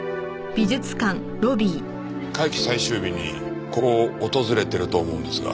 会期最終日にここを訪れていると思うんですが。